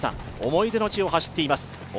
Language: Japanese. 思い出の地を走っています。